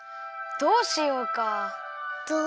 どうしよう？